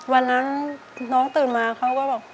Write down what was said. วันนั้นน้องตื่นมาเขาก็บอก